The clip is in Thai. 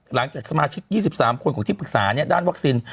หลังจากสมาชิก๒๓คนของที่ปรึกษาด้านวัคซีน